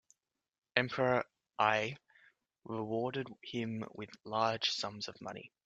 Emperor Ai rewarded him with large sums of money.